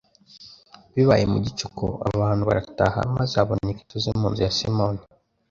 Bibaye mu gicuku, abantu barataha maze haboneka ituze mu nzu ya Simoni.